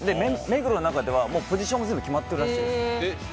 目黒の中ではポジションも全部決まっているらしいです。